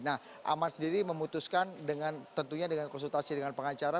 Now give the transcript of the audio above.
nah aman sendiri memutuskan dengan tentunya dengan konsultasi dengan pengacara